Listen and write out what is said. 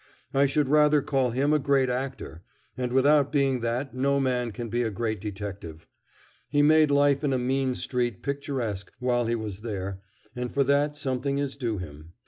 I should rather call him a great actor, and without being that no man can be a great detective. He made life in a mean street picturesque while he was there, and for that something is due him.